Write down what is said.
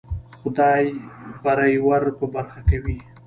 خدای بری ور په برخه کوي.